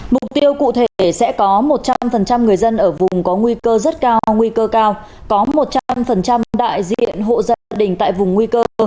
mục tiêu cụ thể sẽ có một trăm linh người dân ở vùng có nguy cơ rất cao nguy cơ cao có một trăm linh đại diện hộ gia đình tại vùng nguy cơ